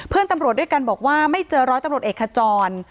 เพื่อนตำรวจด้วยกันบอกว่าไม่เจอร้อยตำรวจเอกขจร